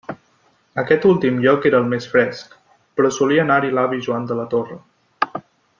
Aquest últim lloc era el més fresc, però solia anar-hi l'avi Joan de la Torre.